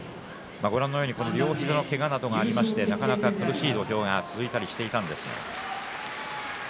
両膝のけがなどがありまして苦しい土俵が続いていました。